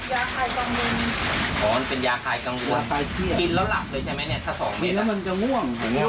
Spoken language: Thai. ยาคลายกังวลอ๋อเป็นยาคลายกังวลยาคลายเครียด